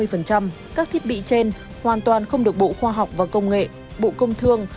từ một mươi ba mươi các thiết bị trên hoàn toàn không được bộ khoa học và công nghệ bộ công thương